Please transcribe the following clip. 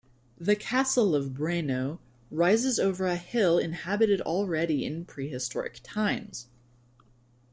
The Castle of Breno rises over a hill inhabited already in prehistoric times.